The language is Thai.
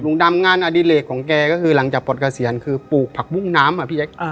ดำงานอดิเลกของแกก็คือหลังจากปลดเกษียณคือปลูกผักบุ้งน้ำอ่ะพี่แจ๊ค